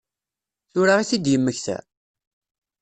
Tura i t-id-yemmekta?